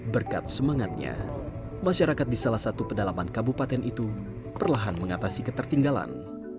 berkat semangatnya masyarakat di salah satu pedalaman kabupaten itu perlahan mengatasi ketertinggalan